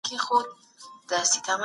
نیم پاوه خوله بدن ته خوشې کېږي.